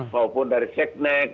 maupun dari secnek